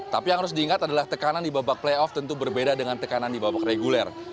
tapi yang harus diingat adalah tekanan di babak playoff tentu berbeda dengan tekanan di babak reguler